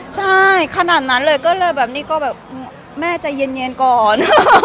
ใช่ขนาดนั้นเลยแม่จะเย็นก่อน